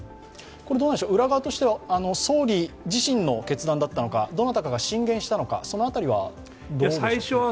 裏側としては総理自身の決断だったのか、どなたかが進言したのかその辺りはどうでしょうか？